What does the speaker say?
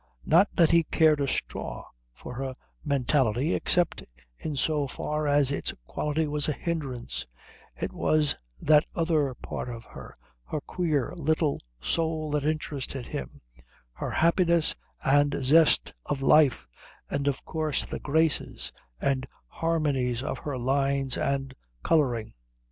Not that he cared a straw for her mentality except in so far as its quality was a hindrance; it was that other part of her, her queer little soul that interested him, her happiness and zest of life, and, of course, the graces and harmonies of her lines and colouring.